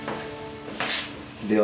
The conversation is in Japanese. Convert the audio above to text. では。